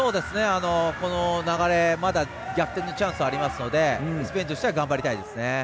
この流れ、逆転のチャンスありますのでスペインとしては頑張りたいです。